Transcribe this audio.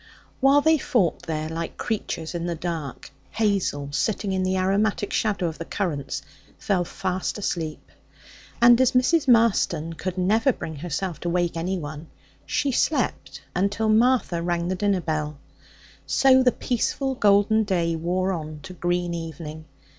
While they fought there like creatures in the dark, Hazel, sitting in the aromatic shadow of the currants, fell fast asleep; and as Mrs. Marston could never bring herself to wake anyone, she slept until Martha rang the dinner bell. So the peaceful, golden day wore on to green evening.